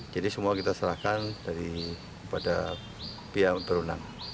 jadi semua kita serahkan daripada pihak berunang